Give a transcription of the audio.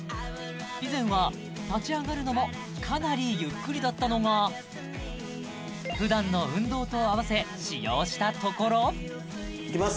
以前は立ち上がるのもかなりゆっくりだったのが普段の運動とあわせ使用したところいきます